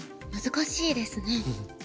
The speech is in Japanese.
難しいですね。